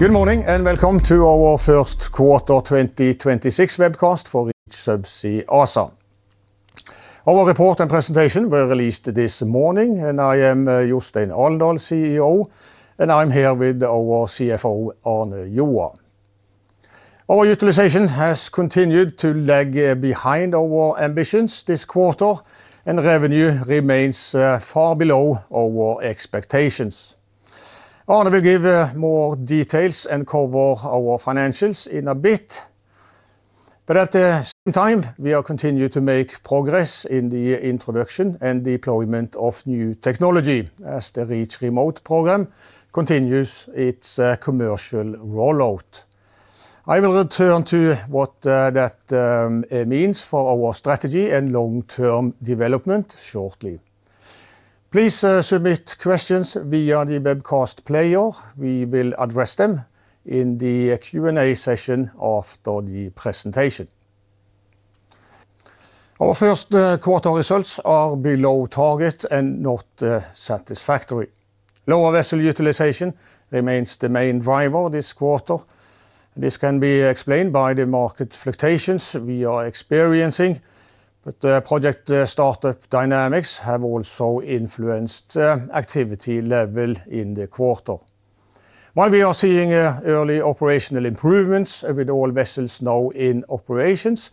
Good morning, welcome to our first quarter 2026 webcast for Reach Subsea ASA. Our report and presentation were released this morning. I am Jostein Alendal, CEO, and I'm here with our CFO, Arne Joa. Our utilization has continued to lag behind our ambitions this quarter, and revenue remains far below our expectations. Arne will give more details and cover our financials in a bit. At the same time, we are continued to make progress in the introduction and deployment of new technology as the Reach Remote program continues its commercial rollout. I will return to what that means for our strategy and long-term development shortly. Please submit questions via the webcast player. We will address them in the Q&A session after the presentation. Our first quarter results are below target and not satisfactory. Lower vessel utilization remains the main driver this quarter. This can be explained by the market fluctuations we are experiencing, but the project startup dynamics have also influenced activity level in the quarter. While we are seeing early operational improvements with all vessels now in operations,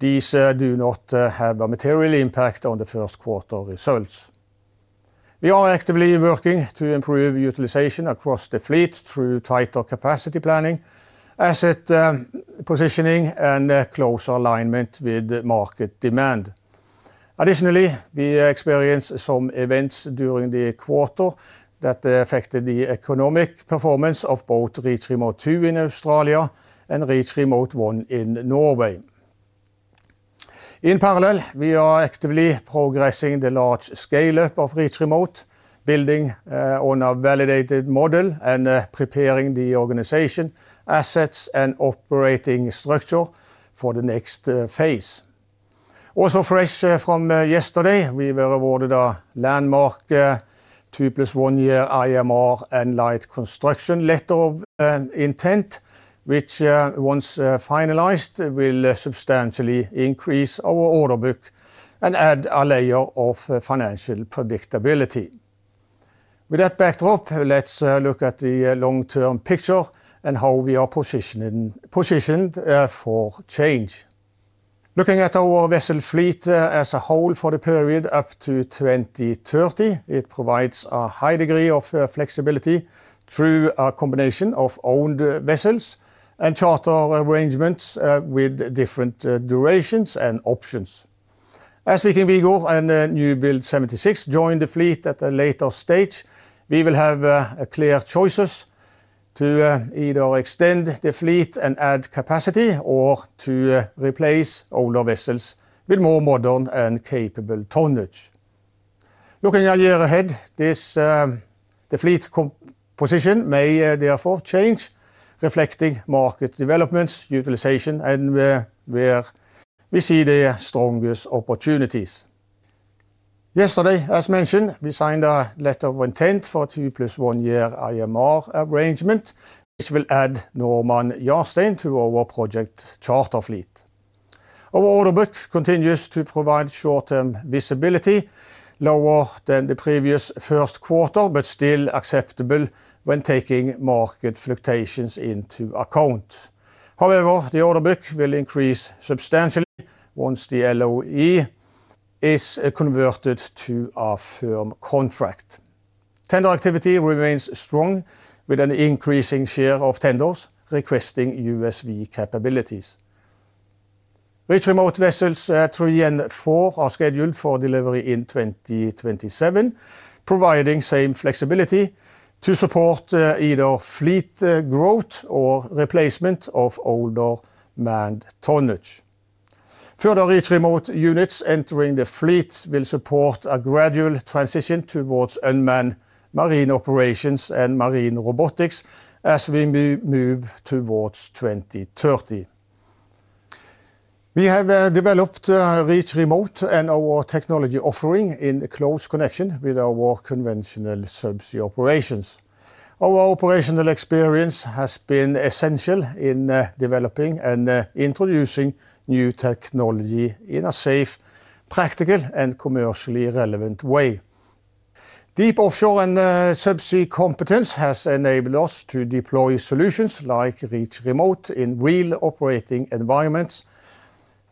these do not have a material impact on the first quarter results. We are actively working to improve utilization across the fleet through tighter capacity planning, asset positioning and a closer alignment with the market demand. Additionally, we experienced some events during the quarter that affected the economic performance of both Reach Remote 2 in Australia, and Reach Remote 1 in Norway. In parallel, we are actively progressing the large scale-up of Reach Remote, building on a validated model and preparing the organization, assets and operating structure for the next phase. Also fresh from yesterday, we were awarded a landmark 2+1 year IMR and Light Construction, Letter of Intent, which once finalized, will substantially increase our order book and add a layer of financial predictability. With that backdrop, let's look at the long-term picture and how we are positioned for change. Looking at our vessel fleet as a whole for the period up to 2030, it provides a high degree of flexibility through a combination of owned vessels and charter arrangements with different durations and options. As we Viking Vigor and Newbuild 76 join the fleet at a later stage, we will have a clear choices to either extend the fleet and add capacity or to replace older vessels with more modern and capable tonnage. Looking a year ahead, the fleet composition may therefore change, reflecting market developments, utilization and where we see the strongest opportunities. Yesterday, as mentioned, we signed a letter of intent for a 2+1 year IMR arrangement, which will add Normand Jarstein to our project charter fleet. Our order book continues to provide short-term visibility lower than the previous first quarter, but still acceptable when taking market fluctuations into account. However, the order book will increase substantially once the LOI is converted to a firm contract. Tender activity remains strong with an increasing share of tenders requesting USV capabilities. Reach Remote vessels 3 and 4 are scheduled for delivery in 2027, providing same flexibility to support either fleet growth or replacement of older manned tonnage. Further Reach Remote units entering the fleet will support a gradual transition towards unmanned marine operations and marine robotics as we move towards 2030. We have developed Reach Remote and our technology offering in close connection with our conventional subsea operations. Our operational experience has been essential in developing and introducing new technology in a safe, practical and commercially relevant way. Deep offshore and subsea competence has enabled us to deploy solutions like Reach Remote in real operating environments,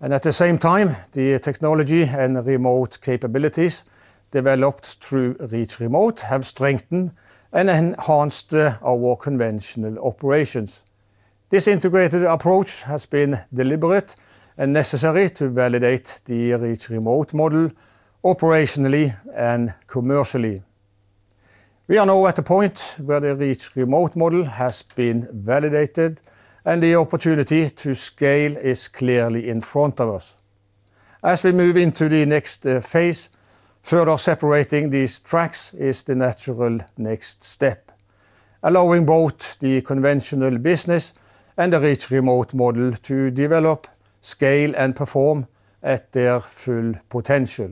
and at the same time, the technology and remote capabilities developed through Reach Remote have strengthened and enhanced our conventional operations. This integrated approach has been deliberate and necessary to validate the Reach Remote model operationally and commercially. We are now at a point where the Reach Remote model has been validated, and the opportunity to scale is clearly in front of us. As we move into the next phase, further separating these tracks is the natural next step, allowing both the conventional business and the Reach Remote model to develop, scale and perform at their full potential.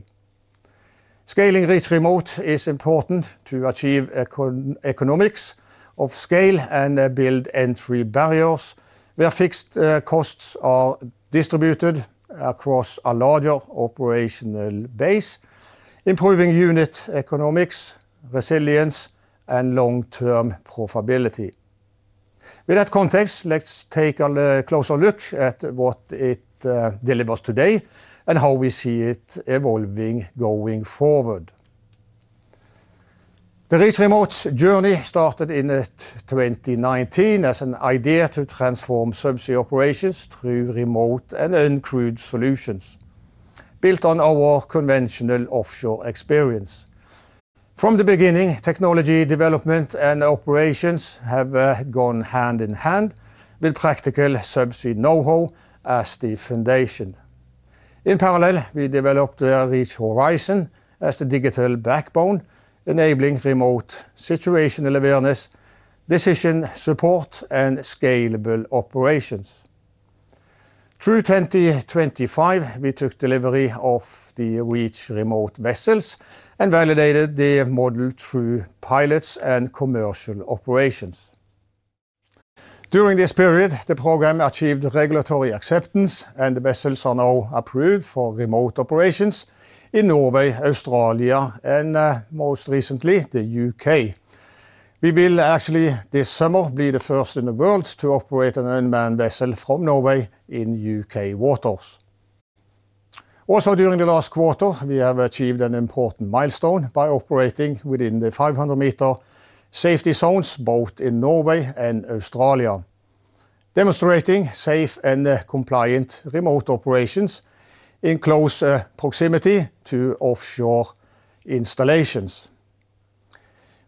Scaling Reach Remote is important to achieve economics of scale and build entry barriers, where fixed costs are distributed across a larger operational base, improving unit economics, resilience, and long-term profitability. With that context, let's take a closer look at what it delivers today and how we see it evolving going forward. The Reach Remote journey started in 2019 as an idea to transform subsea operations through remote and uncrewed solutions built on our conventional offshore experience. From the beginning, technology development and operations have gone hand in hand with practical subsea knowhow as the foundation. In parallel, we developed the Reach Horizon as the digital backbone, enabling remote situational awareness, decision support, and scalable operations. Through 2025, we took delivery of the Reach Remote vessels and validated the model through pilots and commercial operations. During this period, the program achieved regulatory acceptance, and the vessels are now approved for remote operations in Norway, Australia, and most recently, the U.K. We will actually, this summer, be the first in the world to operate an unmanned vessel from Norway in U.K. waters. During the last quarter, we have achieved an important milestone by operating within the 500 meter safety zones, both in Norway and Australia, demonstrating safe and compliant remote operations in close proximity to offshore installations.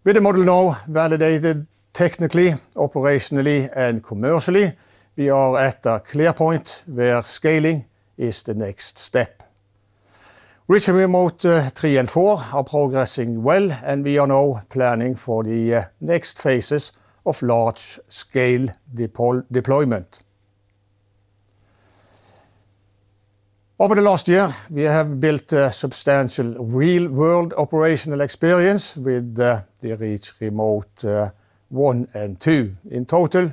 With the model now validated technically, operationally, and commercially, we are at a clear point where scaling is the next step. Reach Remote 3 and 4 are progressing well. We are now planning for the next phases of large-scale deployment. Over the last year, we have built a substantial real-world operational experience with the Reach Remote 1 and 2. In total,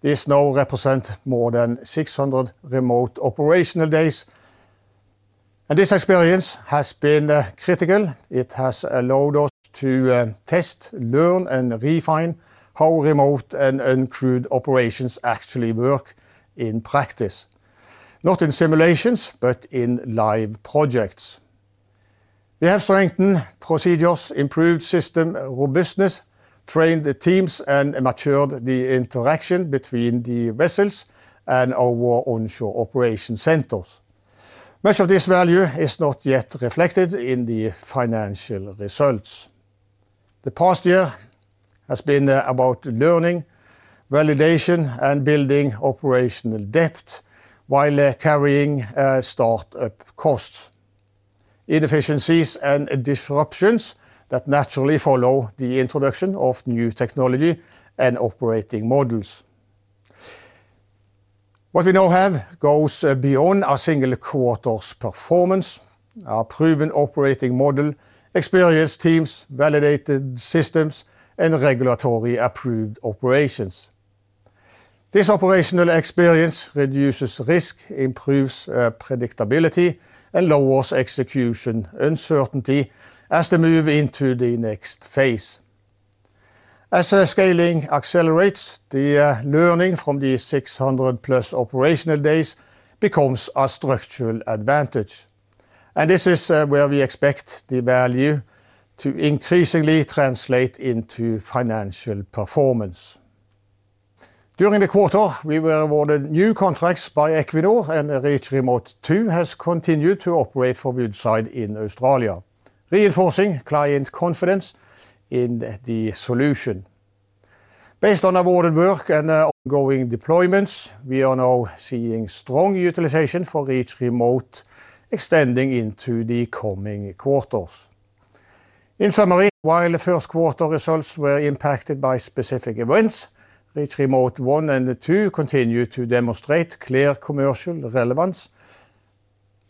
this now represent more than 600 remote operational days. This experience has been critical. It has allowed us to test, learn, and refine how remote and uncrewed operations actually work in practice, not in simulations, but in live projects. We have strengthened procedures, improved system robustness, trained the teams, and matured the interaction between the vessels and our onshore operation centers. Much of this value is not yet reflected in the financial results. The past year has been about learning, validation, and building operational depth while carrying start costs, inefficiencies and disruptions that naturally follow the introduction of new technology and operating models. What we now have goes beyond a single quarter's performance, our proven operating model, experienced teams, validated systems, and regulatory-approved operations. This operational experience reduces risk, improves predictability, and lowers execution uncertainty as they move into the next phase. As the scaling accelerates, the learning from these 600+ operational days becomes a structural advantage, and this is where we expect the value to increasingly translate into financial performance. During the quarter, we were awarded new contracts by Equinor. The Reach Remote 2 has continued to operate for Woodside in Australia. Reinforcing client confidence in the solution. Based on awarded work and ongoing deployments, we are now seeing strong utilization for Reach Remote extending into the coming quarters. In summary, while the first quarter results were impacted by specific events, Reach Remote 1 and 2 continue to demonstrate clear commercial relevance.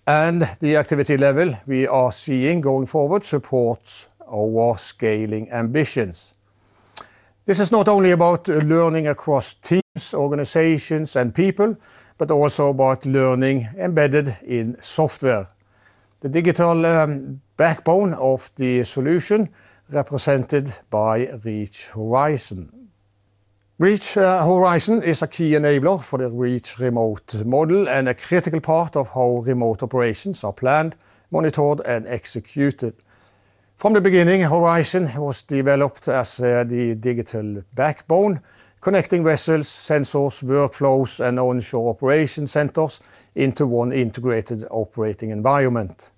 The activity level we are seeing going forward supports our scaling ambitions. This is not only about learning across teams, organizations, and people, but also about learning embedded in software. The digital backbone of the solution represented by Reach Horizon. Reach Horizon is a key enabler for the Reach Remote model and a critical part of how remote operations are planned, monitored, and executed. From the beginning, Horizon was developed as the digital backbone, connecting vessels, sensors, workflows, and onshore operation centers into one integrated operating environment.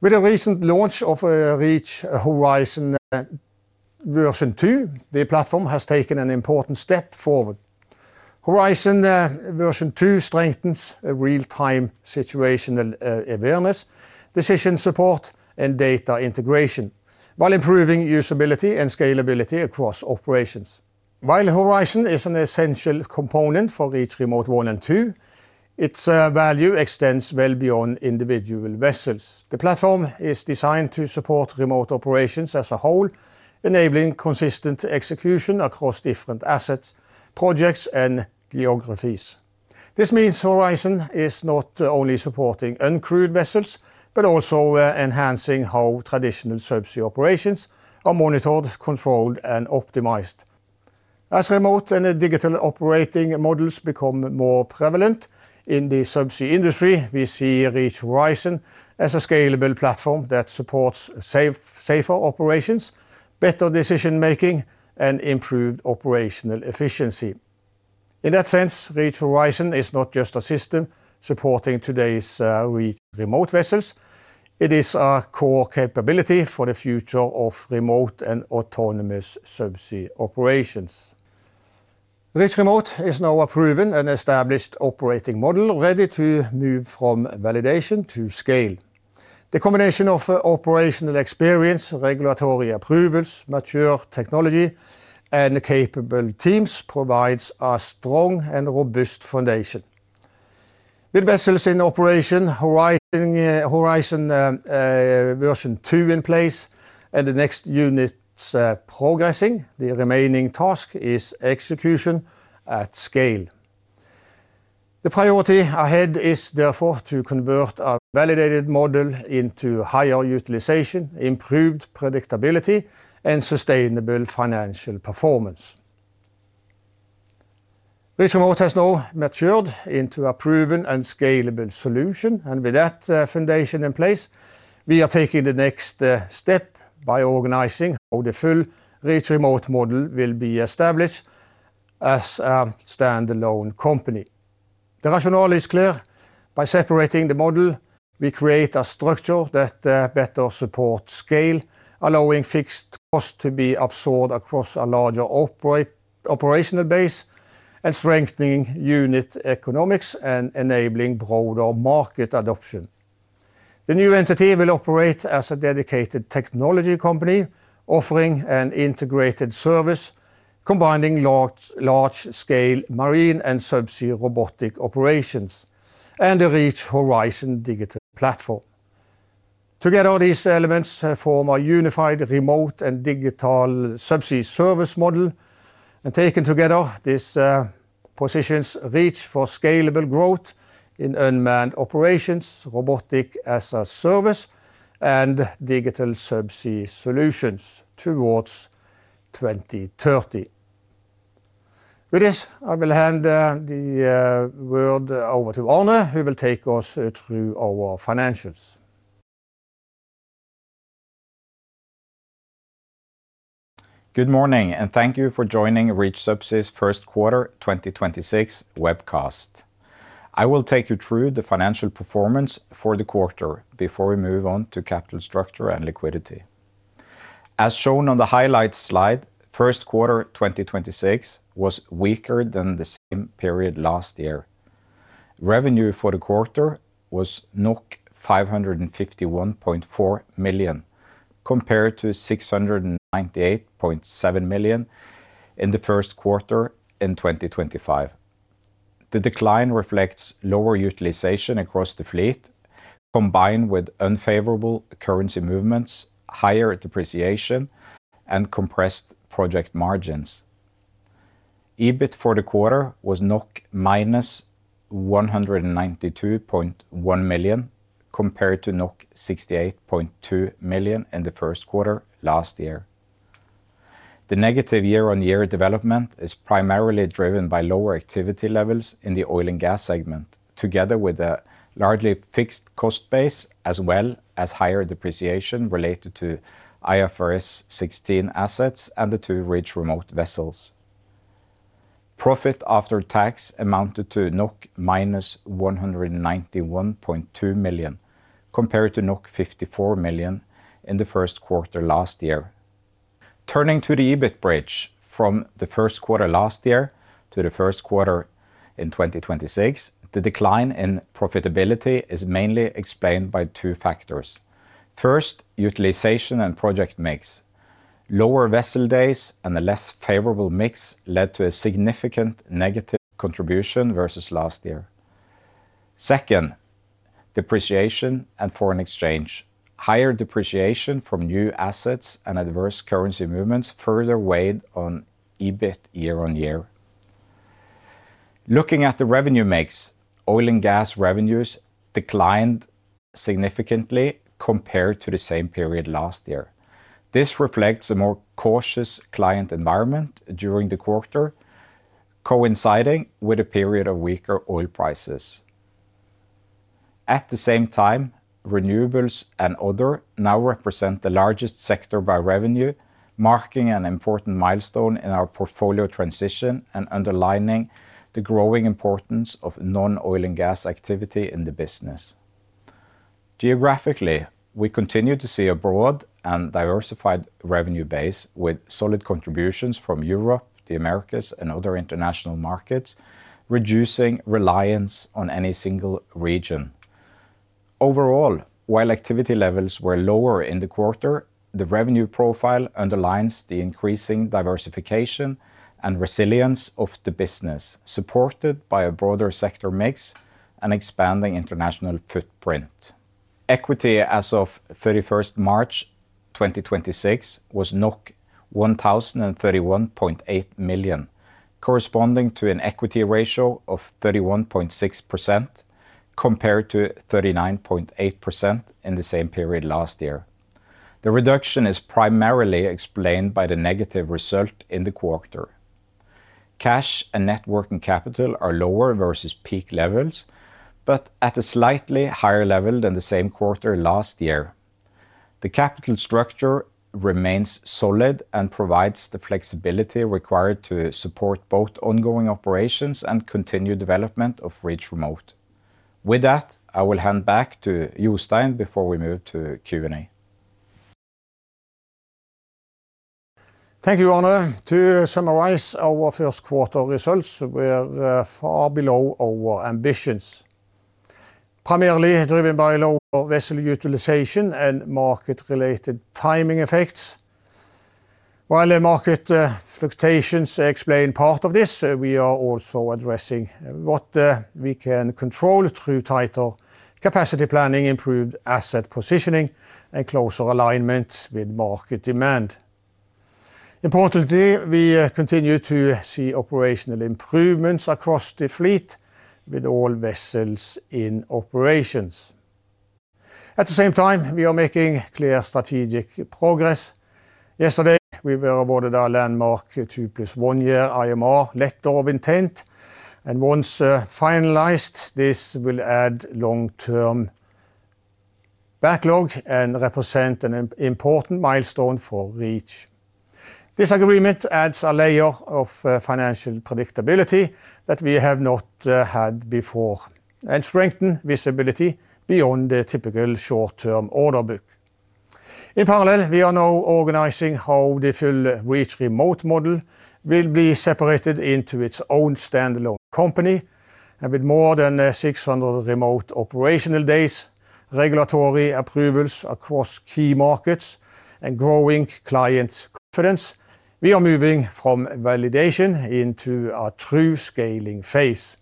With the recent launch of Reach Horizon Version 2, the platform has taken an important step forward. Horizon Version 2 strengthens real-time situational awareness, decision support, and data integration. While improving usability and scalability across operations. While Horizon is an essential component for Reach Remote 1 and 2, its value extends well beyond individual vessels. The platform is designed to support remote operations as a whole, enabling consistent execution across different assets, projects, and geographies. This means Horizon is not only supporting uncrewed vessels, but also enhancing how traditional subsea operations are monitored, controlled, and optimized. As remote and digital operating models become more prevalent in the subsea industry, we see Reach Horizon as a scalable platform that supports safer operations, better decision-making, and improved operational efficiency. In that sense, Reach Horizon is not just a system supporting today's remote vessels, it is a core capability for the future of remote and autonomous subsea operations. Reach Remote is now a proven and established operating model ready to move from validation to scale. The combination of operational experience, regulatory approvals, mature technology, and capable teams provides a strong and robust foundation. With vessels in operation, Reach Horizon version 2 in place and the next units progressing, the remaining task is execution at scale. The priority ahead is therefore to convert a validated model into higher utilization, improved predictability, and sustainable financial performance. Reach Remote has now matured into a proven and scalable solution, and with that foundation in place, we are taking the next step by organizing how the full Reach Remote model will be established as a standalone company. The rationale is clear. By separating the model, we create a structure that better supports scale, allowing fixed costs to be absorbed across a larger operational base and strengthening unit economics and enabling broader market adoption. The new entity will operate as a dedicated technology company offering an integrated service combining large-scale marine and subsea robotic operations and the Reach Horizon digital platform. Together, these elements form a unified remote and digital subsea service model, and taken together, this positions Reach for scalable growth in unmanned operations, robotic-as-a-service, and digital subsea solutions towards 2030. With this, I will hand the word over to Arne, who will take us through our financials. Good morning, and thank you for joining Reach Subsea's first quarter 2026 webcast. I will take you through the financial performance for the quarter before we move on to capital structure and liquidity. As shown on the highlights slide, first quarter 2026 was weaker than the same period last year. Revenue for the quarter was 551.4 million, compared to 698.7 million in the first quarter in 2025. The decline reflects lower utilization across the fleet, combined with unfavorable currency movements, higher depreciation, and compressed project margins. EBIT for the quarter was -192.1 million, compared to 68.2 million in the first quarter last year. The negative year-on-year development is primarily driven by lower activity levels in the Oil and Gas segment. Together with a largely fixed cost base, as well as higher depreciation related to IFRS 16 assets and the two Reach Remote vessels. Profit after tax amounted to -191.2 million, compared to 54 million in the first quarter last year. Turning to the EBIT bridge from the first quarter last year to the first quarter in 2026, the decline in profitability is mainly explained by two factors. First, utilization and project mix. Lower vessel days and a less favorable mix led to a significant negative contribution versus last year. Second, depreciation and foreign exchange. Higher depreciation from new assets and adverse currency movements further weighed on EBIT year-on-year. Looking at the revenue mix, oil and gas revenues declined significantly compared to the same period last year. This reflects a more cautious client environment during the quarter, coinciding with a period of weaker oil prices. At the same time, renewables and other now represent the largest sector by revenue, marking an important milestone in our portfolio transition and underlining the growing importance of non-oil and gas activity in the business. Geographically, we continue to see a broad and diversified revenue base with solid contributions from Europe, the Americas, and other international markets, reducing reliance on any single region. Overall, while activity levels were lower in the quarter, the revenue profile underlines the increasing diversification and resilience of the business, supported by a broader sector mix and expanding international footprint. Equity as of 31st March 2026 was 1,031.8 million, corresponding to an equity ratio of 31.6% compared to 39.8% in the same period last year. The reduction is primarily explained by the negative result in the quarter. Cash and net working capital are lower versus peak levels, but at a slightly higher level than the same quarter last year. The capital structure remains solid and provides the flexibility required to support both ongoing operations and continued development of Reach Remote. With that, I will hand back to Jostein before we move to Q&A. Thank you, Arne. To summarize our first quarter results, we are far below our ambitions, primarily driven by lower vessel utilization and market-related timing effects. The market fluctuations explain part of this, we are also addressing what we can control through tighter capacity planning, improved asset positioning, and closer alignment with market demand. Importantly, we continue to see operational improvements across the fleet with all vessels in operations. At the same time, we are making clear strategic progress. Yesterday, we were awarded a landmark 2+1 year IMR Letter of Intent, once finalized, this will add long-term backlog and represent an important milestone for Reach. This agreement adds a layer of financial predictability that we have not had before and strengthen visibility beyond the typical short-term order book. In parallel, we are now organizing how the full Reach Remote model will be separated into its own standalone company. With more than 600 remote operational days, regulatory approvals across key markets, and growing client confidence. We are moving from validation into our true scaling phase.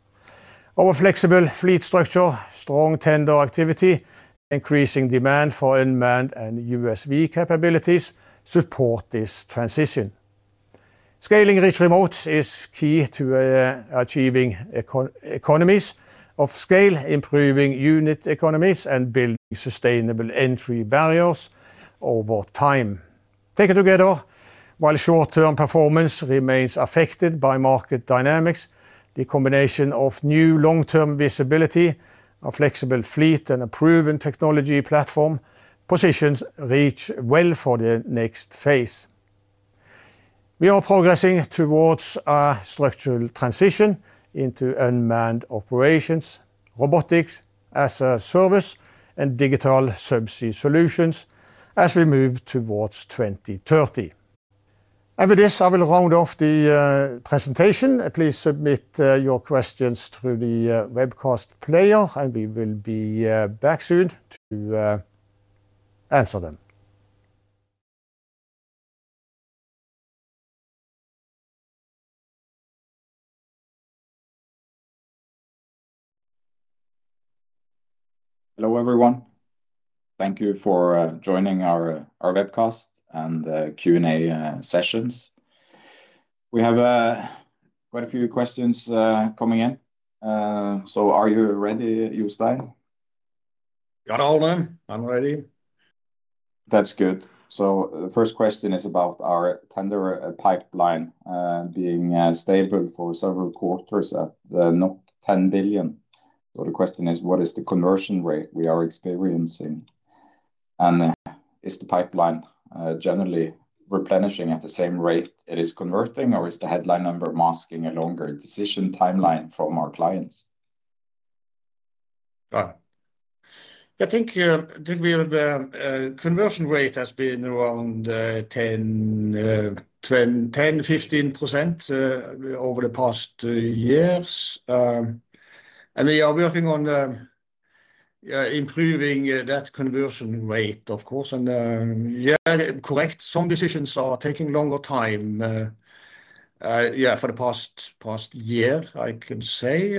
Our flexible fleet structure, strong tender activity, increasing demand for unmanned and USV capabilities support this transition. Scaling Reach Remote is key to achieving economies of scale, improving unit economies, and building sustainable entry barriers over time. Taken together, while short-term performance remains affected by market dynamics, the combination of new long-term visibility, a flexible fleet, and a proven technology platform positions Reach well for the next phase. We are progressing towards a structural transition into unmanned operations, robotics as a service, and digital subsea solutions as we move towards 2030. With this, I will round off the presentation. Please submit your questions through the webcast player, and we will be back soon to answer them. Hello, everyone. Thank you for joining our webcast and Q&A sessions. We have quite a few questions coming in. Are you ready, Jostein? Got all of them. I'm ready. That's good. The first question is about our tender pipeline being stable for several quarters at 10 billion. The question is: What is the conversion rate we are experiencing? Is the pipeline generally replenishing at the same rate it is converting? Or is the headline number masking a longer decision timeline from our clients? I think we have a conversion rate has been around 10%-15% over the past years. We are working on, yeah, improving that conversion rate, of course. Yeah, correct, some decisions are taking longer time, yeah, for the past year, I can say.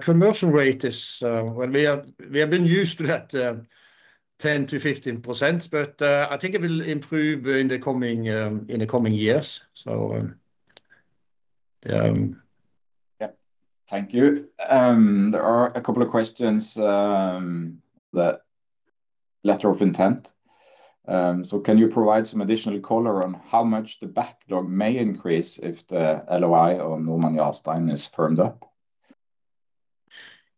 Conversion rate is, well, we have been used to that 10%-15%, I think it will improve in the coming in the coming years. Yeah. Yeah. Thank you. There are a couple of questions, the Letter of Intent. Can you provide some additional color on how much the backlog may increase if the LOI on Normand Jarstein is firmed up?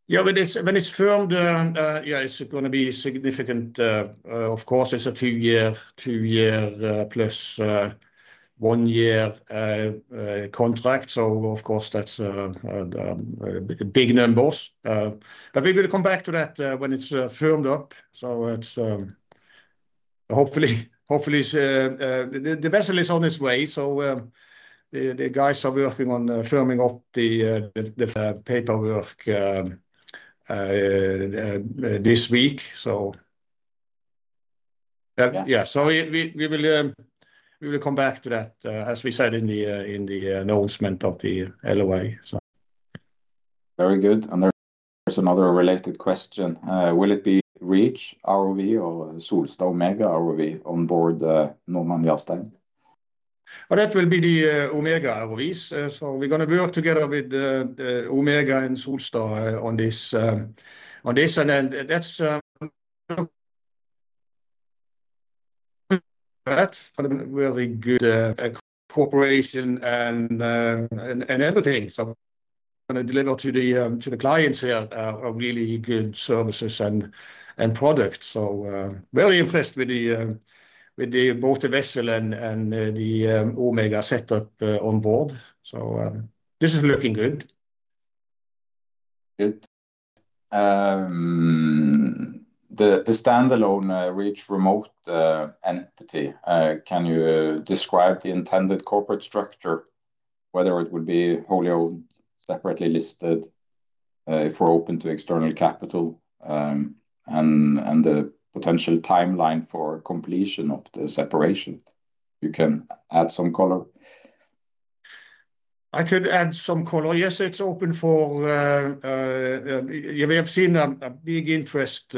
Yeah, when it's firmed, yeah, it's going to be significant. Of course, it's a 2-year + 1-year contract. Of course, that's big numbers. We will come back to that when it's firmed up. Hopefully The vessel is on its way, the guys are working on firming up the paperwork this week. Yes. We will come back to that, as we said in the announcement of the LOI. Very good. There is another related question. Will it be Reach ROV or Solstad, Omega ROV on board the Normand Jarstein? Well, that will be the Omega ROVs. We're gonna work together with the Omega and Solstad on this. That's really good cooperation and everything. Gonna deliver to the clients here a really good services and products. Very impressed with the both the vessel and the Omega set up on board. This is looking good. Good. The stand-alone Reach Remote entity, can you describe the intended corporate structure, whether it would be wholly owned, separately listed, if we're open to external capital, and the potential timeline for completion of the separation? You can add some color. I could add some color. Yes, it's open for. We have seen a big interest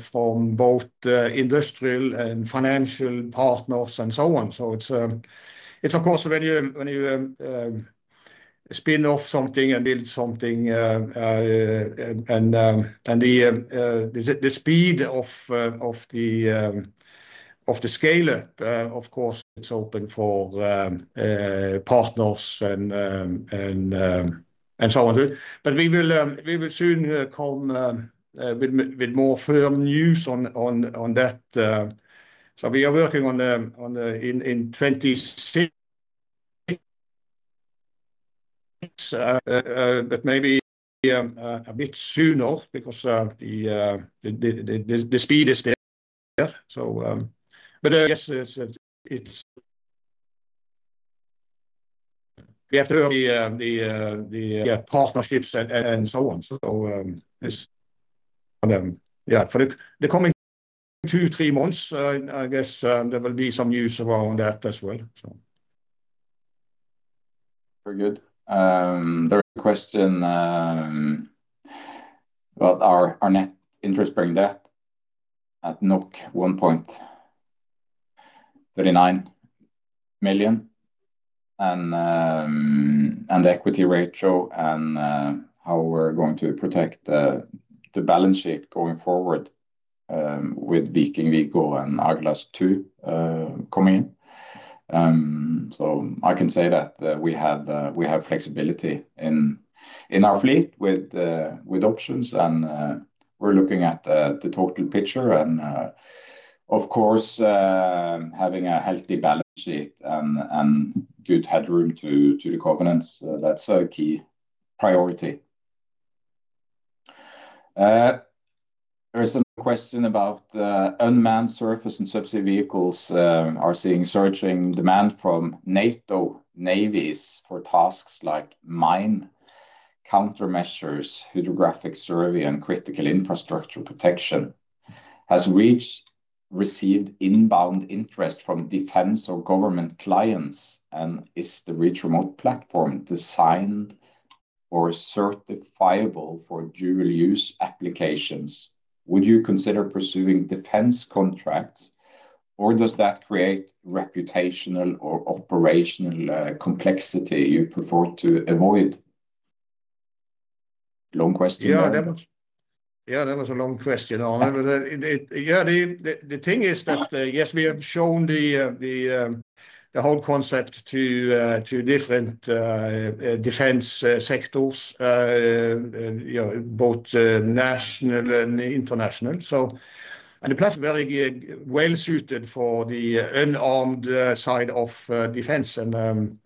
from both industrial and financial partners and so on. It's of course when you spin off something and build something, and the speed of the scale-up, of course it's open for partners and so on. We will soon come with more firm news on that. We are working on the in 2026. Maybe a bit sooner because the speed is there. But I guess it's, we have to the partnerships and so on. It's, yeah, for the coming two, three months, I guess, there will be some news around that as well, so. Very good. The question about our net interest bearing debt at 1.39 million and the equity ratio and how we're going to protect the balance sheet going forward with Viking Vigor and Atlas 2 coming in. I can say that we have flexibility in our fleet with options and we're looking at the total picture and of course, having a healthy balance sheet and good headroom to the covenants, that's a key priority. There is a question about the unmanned surface and subsea vehicles seeing surging demand from NATO navies for tasks like mine countermeasures, hydrographic survey, and critical infrastructure protection. Has Reach received inbound interest from defense or government clients? Is the Reach Remote platform designed or certifiable for dual-use applications? Would you consider pursuing defense contracts, or does that create reputational or operational complexity you prefer to avoid? Long question. That was a long question. The thing is that, yes, we have shown the whole concept to different defense sectors, you know, both national and international. The platform very well-suited for the unarmed side of defense and,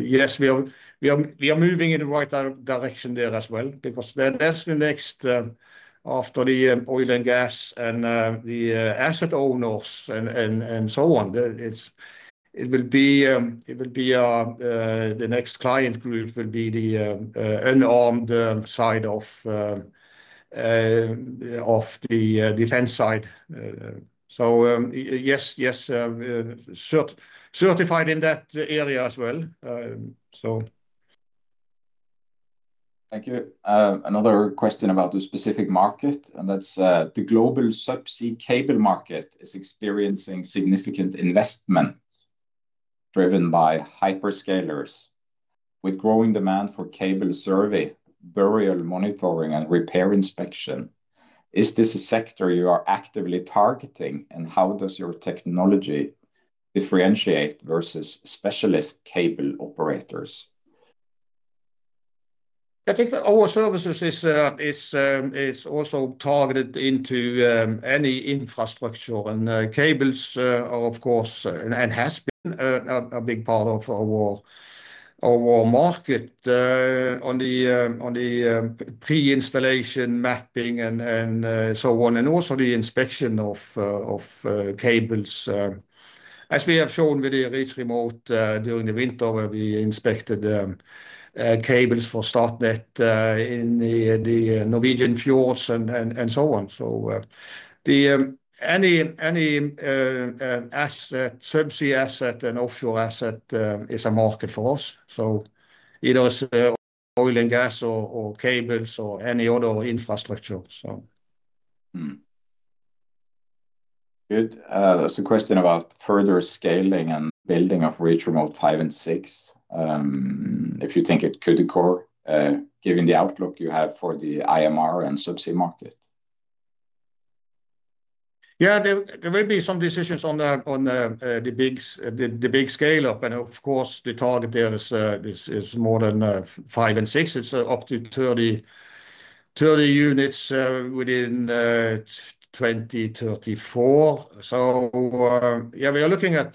yes, we are moving in the right direction there as wel. Because that's the next after the oil and gas and the asset owners and so on. It will be, the next client group will be the unarmed side of the defense side. Yes, certified in that area as well. Thank you. Another question about the specific market, and that's, the global subsea cable market is experiencing significant investment driven by hyperscalers. With growing demand for cable survey, burial monitoring, and repair inspection. Is this a sector you are actively targeting? And how does your technology differentiate versus specialist cable operators? I think our services is also targeted into any infrastructure and cables, of course, and has been a big part of our work. Our market on the pre-installation mapping and so on. Also the inspection of cables, as we have shown with the Reach Remote during the winter where we inspected cables for Statnett in the Norwegian fjords and so on. The any asset, subsea asset and offshore asset is a market for us. Either it's oil and gas or cables or any other infrastructure. Good. There's a question about further scaling and building of Reach Remote 5 and 6, if you think it could occur? Given the outlook you have for the IMR and subsea market. Yeah. There may be some decisions on the big scale up. Of course, the target there is more than 5 and 6. It's up to 30 units within 2034. Yeah, we are looking at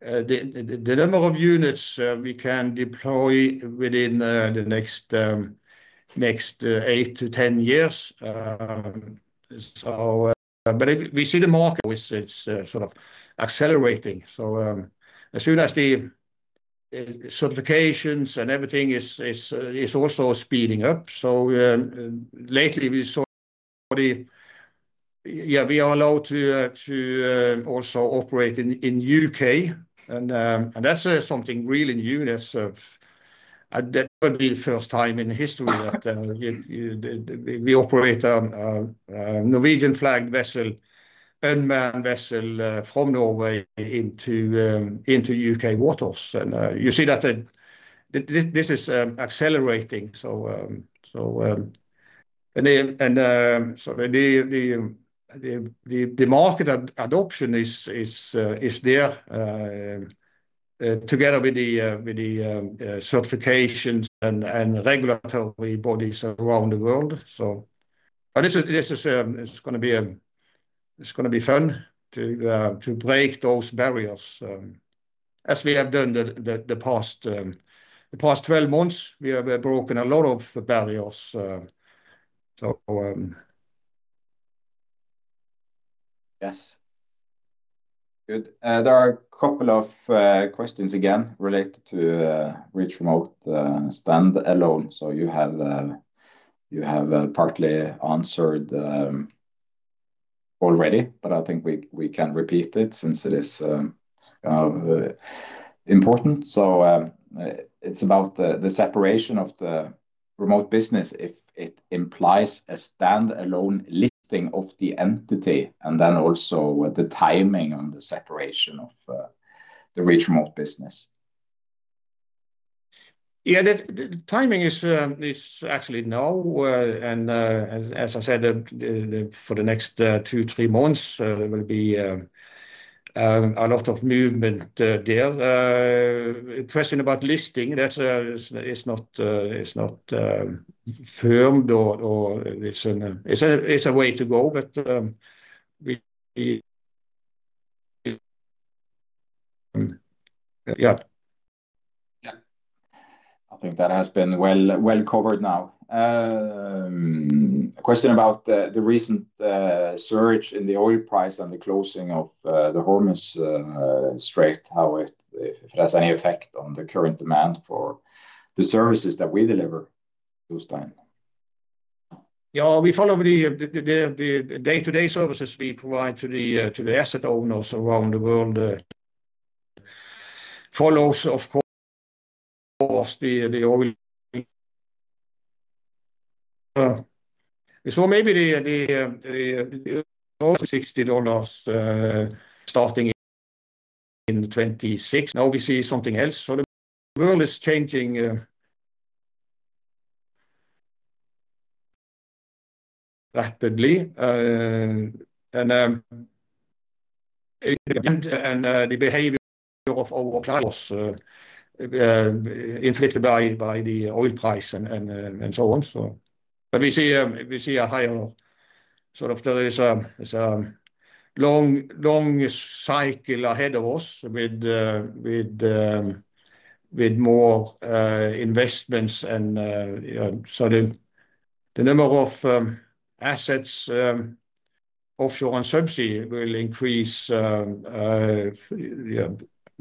the number of units we can deploy within the next 8 years-10 years. If we see the market with its sort of accelerating. As soon as the certifications and everything is also speeding up. Lately we saw, we are allowed to also operate in U.K. and that's something really new. That's that would be the first time in history that we operate Norwegian flagged vessel, unmanned vessel, from Norway into U.K. waters. You see that this is accelerating. The market adoption is there together with the certifications and regulatory bodies around the world. It's gonna be fun to break those barriers as we have done the past twelve months. We have broken a lot of barriers. Yes. Good. There are a couple of questions again related to Reach Remote stand-alone. You have partly answered already, but I think we can repeat it since it is important. It's about the separation of the remote business if it implies a stand-alone listing of the entity, and then also the timing on the separation of the Reach Remote business. Yeah. The timing is actually now. As I said, for the next two, three months, there will be a lot of movement there. Question about listing, that is not firmed or it's a way to go. Yeah. I think that has been well covered now. A question about the recent surge in the oil price and the closing of the Hormuz Strait. How it if it has any effect on the current demand for the services that we deliver, Jostein? Yeah. We follow the day-to-day services we provide to the asset owners around the world, follows of course, the oil. Maybe the $60 starting in 2026. Now we see something else. The world is changing rapidly, and the behavior of our clients influenced by the oil price and so on. But we see a higher sort of there is a long cycle ahead of us with more investments and the number of assets offshore and subsea will increase, yeah,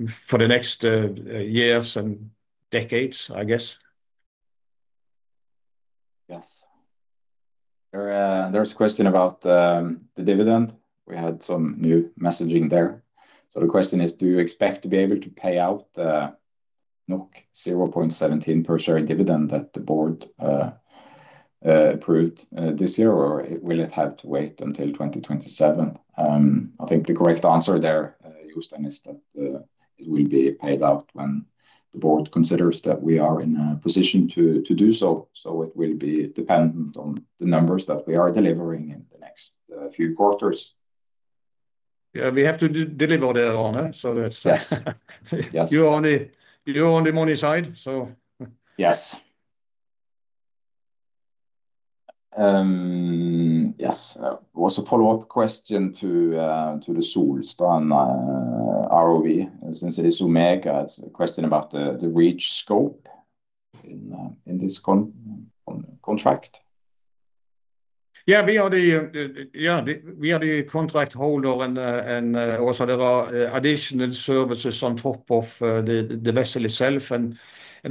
for the next years and decades, I guess. Yes. There's a question about the dividend. We had some new messaging there. The question is, do you expect to be able to pay out 0.17 per share dividend that the Board approved this year, or will it have to wait until 2027? I think the correct answer there, Jostein, is that it will be paid out when the Board considers that we are in a position to do so. It will be dependent on the numbers that we are delivering in the next few quarters. We have to deliver there on. Yes. Yes. You own the money side. Yes. Also follow-up question to the Solstad ROV since it is Omega. It's a question about the Reach scope in this contract? Yeah, we are the contract holder and the, also there are additional services on top of the vessel itself and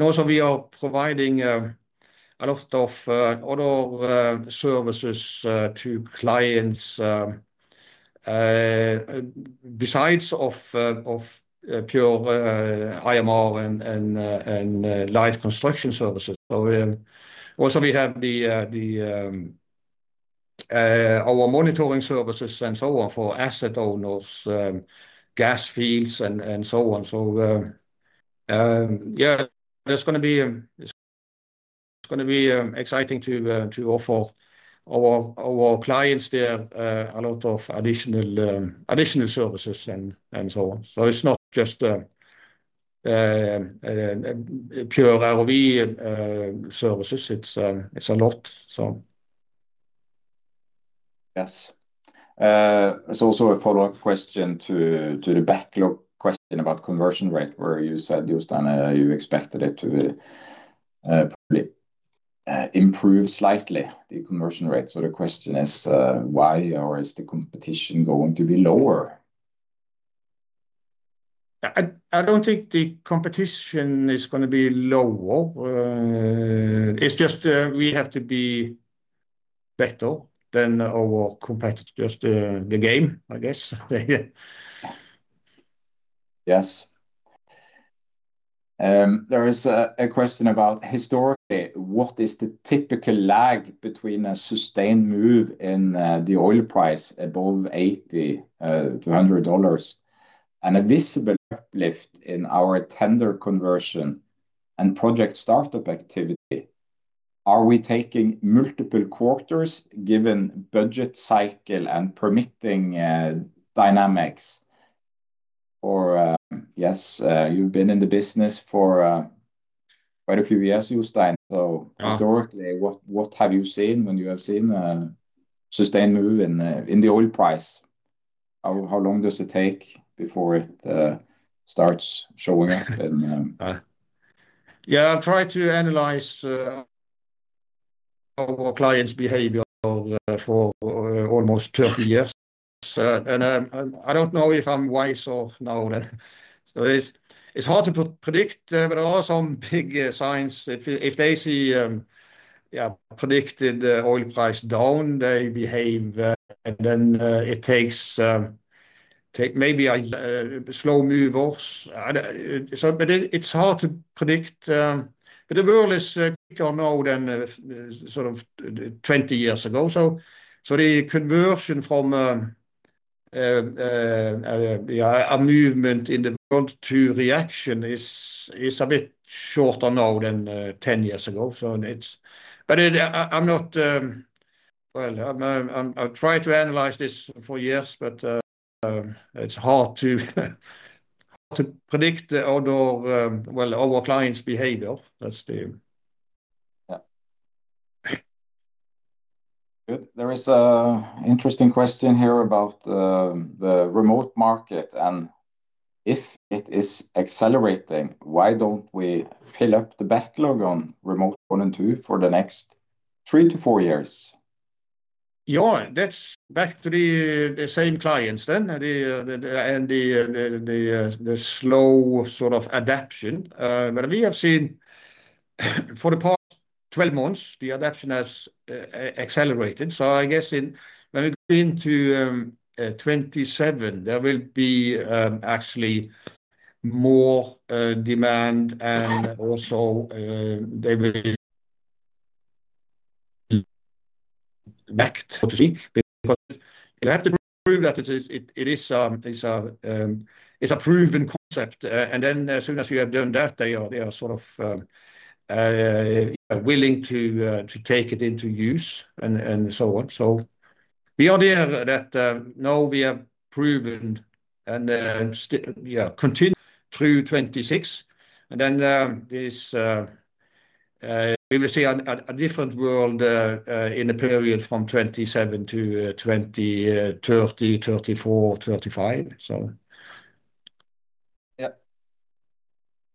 also we are providing a lot of other services to clients besides of pure IMR and Light Construction services. Also we have the our monitoring services and so on for asset owners, gas fields and so on. Yeah, there's gonna be exciting to offer our clients there a lot of additional services and so on. It's not just a pure ROV services. It's a lot. Yes. There's also a follow-up question to the backlog question about conversion rate, where you said, Jostein, you expected it to, probably, improve slightly the conversion rate. The question is, why, or is the competition going to be lower? I don't think the competition is gonna be lower. It's just, we have to be better than our competitors. Just, the game, I guess. Yes. There is a question about historically, what is the typical lag between a sustained move in the oil price above $80, $200 and a visible uplift in our tender conversion and project startup activity? Are we taking multiple quarters given budget cycle and permitting dynamics? Yes, you've been in the business for quite a few years, Jostein. Historically, what have you seen when you have seen sustained move in the oil price? How long does it take before it starts showing up? Yeah, I've tried to analyze our clients' behavior for almost 30 years. I don't know if I'm wise or not. It's, it's hard to predict, but there are some big signs. If they see, yeah, predicted the oil price down, they behave, and then it takes maybe a slow movers. But it's hard to predict. The world is quicker now than sort of 20 years ago. The conversion from yeah, a movement in the world to reaction is a bit shorter now than 10 years ago. I'm not, well, I've tried to analyze this for years, but it's hard to predict the other, well, our clients' behavior. Yeah. Good. There is a interesting question here about the remote market and if it is accelerating. Why don't we fill up the backlog on Reach Remote 1 and Reach Remote 2 for the next 3 years-4 years? That's back to the same clients. The slow sort of adaptation. We have seen for the past 12 months, the adaptation has accelerated. I guess in when we go into 2027 there will be actually more demand and also they will backed, so to speak. You have to prove that it is a proven concept. As soon as you have done that, they are sort of willing to take it into use and so on. The idea that, now we have proven and, still, yeah, continue through 2026 and then, this, we will see a different world, in the period from 2027-2030, 2034, 2035. Yeah.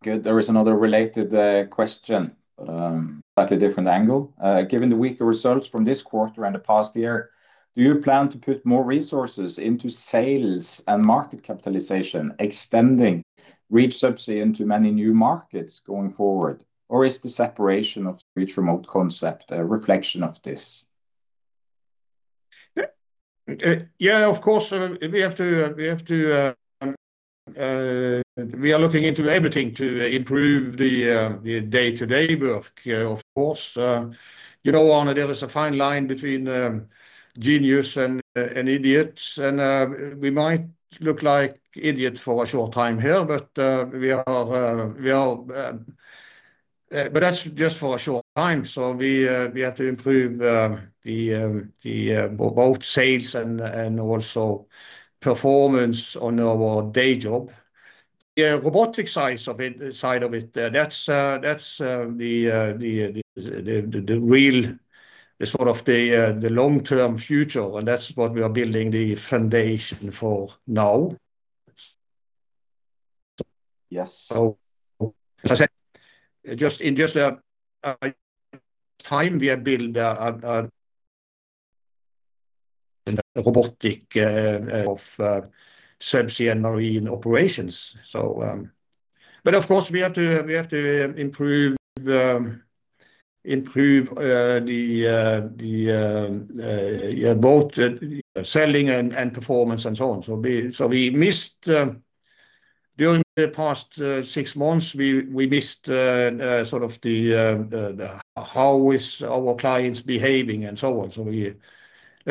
Good. There is another related question, slightly different angle. Given the weaker results from this quarter and the past year, do you plan to put more resources into sales and market capitalization, extending Reach Subsea into many new markets going forward? Is the separation of Reach Remote concept a reflection of this? Yeah, of course. We are looking into everything to improve the day-to-day work, of course. You know, Arne, there is a fine line between genius and idiots. We might look like idiots for a short time here. That's just for a short time. We have to improve both sales and also performance on our day job. Yeah. The robotic side of it, that's, the real, the sort of the long-term future, and that's what we are building the foundation for now. Yes. As I said, just in a time we have built a robotic of subsea and marine operations. Of course, we have to improve the yeah, both selling and performance and so on. We missed during the past six months, we missed sort of the how is our clients behaving and so on. We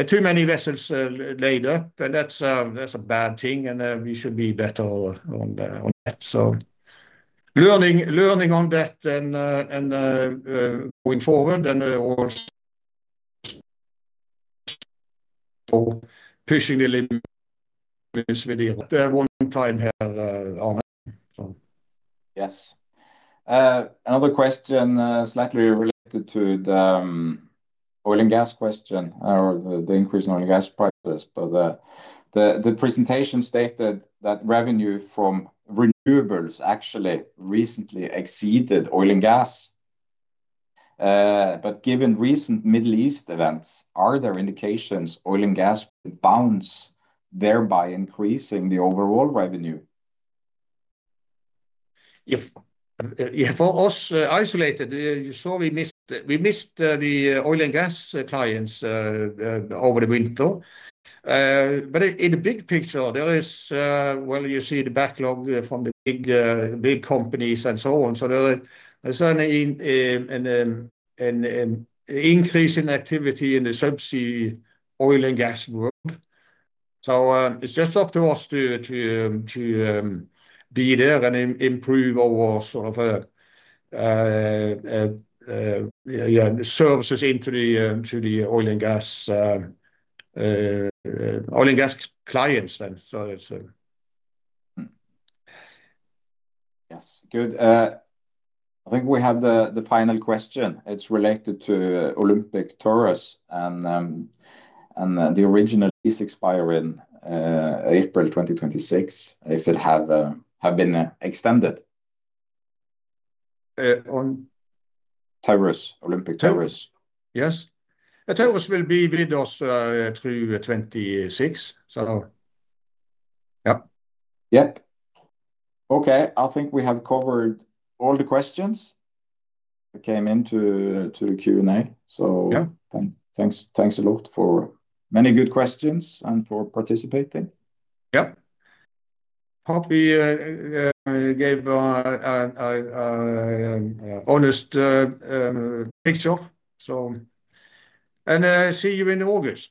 too many vessels laid up, and that's that's a bad thing, and we should be better on that. Learning on that and going forward and also pushing the limits with the one time here on it. Yes. Another question, slightly related to the Oil and Gas question or the increase in Oil and Gas prices. The presentation stated that revenue from renewables actually recently exceeded oil and gas. Given recent Middle East events, are there indications oil and gas will bounce, thereby increasing the overall revenue? If for us isolated, you saw we missed the oil and gas clients over the winter. In the big picture, there is, well, you see the backlog from the big companies and so on. There's an increase in activity in the subsea oil and gas work. It's just up to us to be there and improve our sort of services to the oil and gas clients then. Yes. Good. I think we have the final question. It's related to Olympic Taurus and the original lease expire in April 2026, if it have been extended? On? Taurus, Olympic Taurus. Yes. The Taurus will be with us through 2026. Yeah. Yep. Okay. I think we have covered all the questions that came into the Q&A. Yeah. Thanks a lot for many good questions and for participating. Yeah. Hope we gave a honest picture. See you in August.